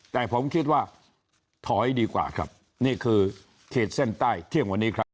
แต่ผมคิดว่าถอยดีกว่าครับนี่คือขีดเส้นใต้เที่ยงวันนี้ครับ